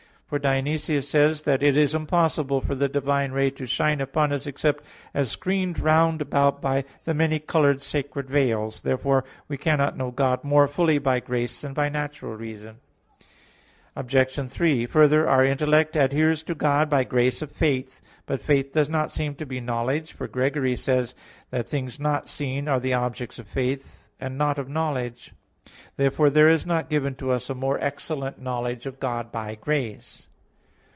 For Dionysius says (Coel. Hier. i) that "it is impossible for the divine ray to shine upon us except as screened round about by the many colored sacred veils." Therefore we cannot know God more fully by grace than by natural reason. Obj. 3: Further, our intellect adheres to God by grace of faith. But faith does not seem to be knowledge; for Gregory says (Hom. xxvi in Ev.) that "things not seen are the objects of faith, and not of knowledge." Therefore there is not given to us a more excellent knowledge of God by grace.